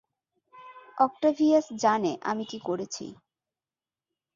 Octavius জানে আমি কী করেছি।